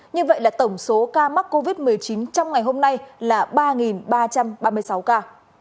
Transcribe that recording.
như vậy là tổng số ca mắc covid một mươi chín trong ngày hôm nay là ba ba trăm ba mươi sáu ca